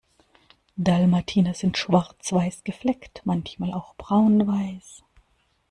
Dalmatiner sind schwarz-weiß gefleckt, manchmal auch braun-weiß.